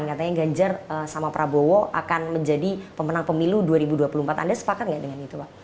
katanya ganjar sama prabowo akan menjadi pemenang pemilu dua ribu dua puluh empat anda sepakat nggak dengan itu pak